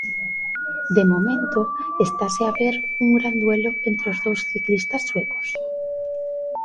De momento estase a ver un gran duelo entre os dous ciclistas suecos.